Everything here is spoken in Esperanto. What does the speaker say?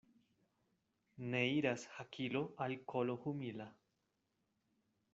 Ne iras hakilo al kolo humila.